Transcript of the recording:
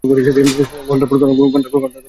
ঘন্টার মাথা জানো!